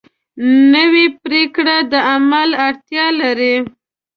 نوې پریکړه د عمل اړتیا لري